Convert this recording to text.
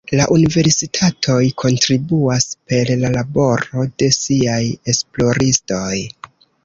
La universitatoj kontribuas per la laboro de siaj esploristoj.